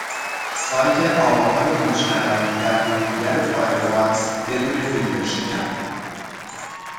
سایت آواهای مشترک در مرورگر فایرفاکس بدون فیلترشکن